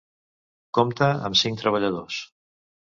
Compta amb cinc treballadors.